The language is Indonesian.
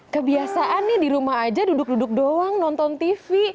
kebiasaan nih dirumah aja duduk duduk doang nonton tv